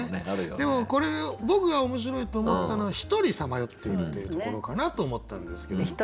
でもこれ僕が面白いと思ったのはひとりさまよっているっていうところかなと思ったんですけど。